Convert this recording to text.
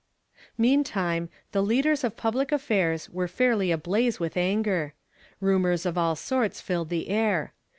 Meantime, the leaders of public affairs were fairly ablaze with anger. Rumors of all sorts filled the air.